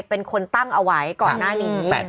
เป็นคนตั้งเอาไว้ก่อนหน้านี้